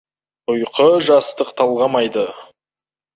ұйқы жастық талғамайды.